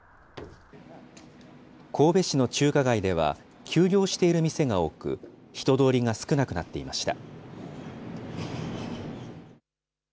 神戸市の中華街では、休業している店が多く、人通りが少なくなっていました。